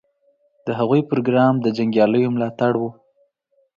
د هغوی پروګرام د جنګیالیو ملاتړ و.